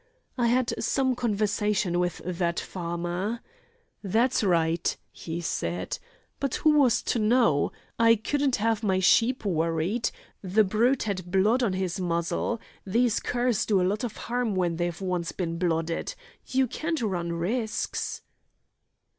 I had some conversation with that farmer. 'That's right,' he said, 'but who was to know? I couldn't have my sheep worried. The brute had blood on his muzzle. These curs do a lot of harm when they've once been blooded. You can't run risks."'